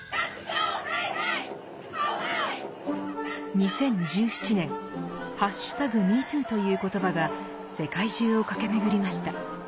２０１７年「＃ＭｅＴｏｏ」という言葉が世界中を駆け巡りました。